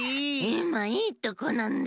いまいいとこなんだよ！